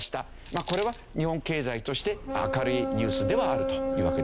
まあこれは日本経済として明るいニュースではあるというわけですね。